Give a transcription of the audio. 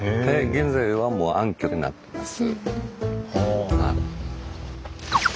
現在はもう暗渠になってます。